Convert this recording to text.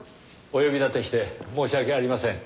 お呼び立てして申し訳ありません。